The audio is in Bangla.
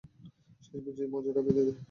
শেষ বিজয়ীর মজাটা পেতে দে।